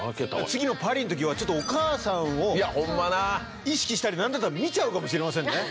次のパリの時はお母さんを意識したり何だったら見ちゃうかもしれませんね。